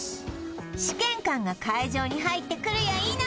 試験官が会場に入ってくるやいな